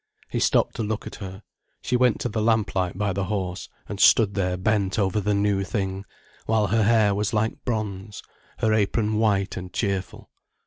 He stopped to look at her. She went to the lamp light by the horse, and stood there bent over the new thing, while her hair was like bronze, her apron white and cheerful.